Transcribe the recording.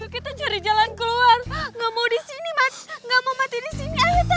kita cari jalan keluar gak mau disini mati gak mau mati disini aja tante